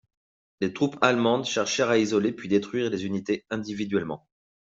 Les troupes allemandes cherchèrent à isoler puis détruire les unités individuellement.